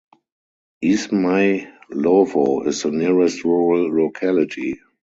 Izmaylovo is the nearest rural locality.